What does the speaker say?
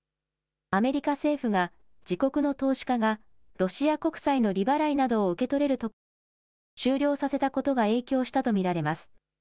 アメリカ政府が、自国の投資家がロシア国債の利払いなどを受け取れる特例を終了させたことが影響したと見られます。